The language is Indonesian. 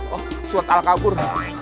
oh surat al kabur